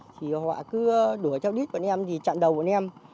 thì họ cứ đuổi theo đít bọn em thì chặn đầu bọn em